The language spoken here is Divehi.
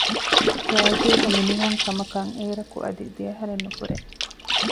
ރާއްޖޭގެ މިނިވަންކަމަކަށް އޭރަކު އަދި ދެއަހަރެއް ނުފުރޭ